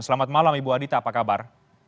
selamat malam ibu adita apa kabar